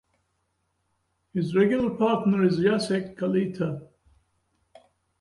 His regular partner is Jacek Kalita.